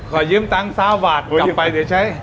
ขอยืมตังค์กับวาทกลับไปเดี๋ยวใช้